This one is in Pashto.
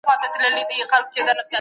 رواني روغتيا ته پام وکړئ.